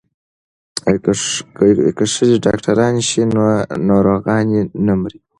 که ښځې ډاکټرانې شي نو ناروغانې نه مري.